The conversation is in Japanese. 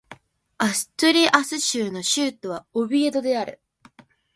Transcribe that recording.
アストゥリアス州の州都はオビエドである